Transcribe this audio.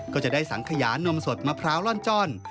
ก็จะได้สังขยานมสดมะพร้าวล่อนจ้อน